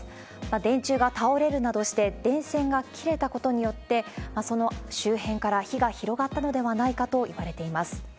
電柱が倒れるなどして電線が切れたことによって、その周辺から火が広がったのではないかといわれています。